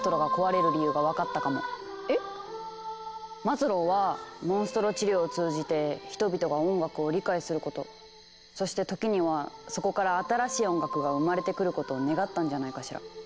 マズローはモンストロ治療を通じて人々が音楽を理解することそして時にはそこから「新しい音楽」が生まれてくることを願ったんじゃないかしら。